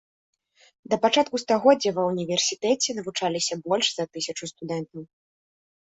Да пачатку стагоддзя ва ўніверсітэце навучаліся больш за тысячу студэнтаў.